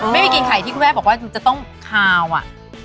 ไม่มีกลิ่นไข่ที่คุณแม่บอกว่าจะต้องคาวอะ